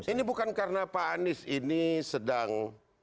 ini bukan karena pak anies ini sedang